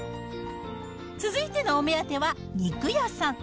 続いてのお目当ては肉屋さん。